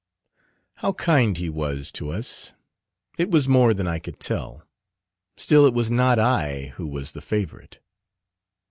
How kind he was to us! It was more than I could tell. Still it was not I who was the favourite.